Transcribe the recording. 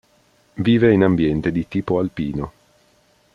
Vive in ambiente di tipo alpino.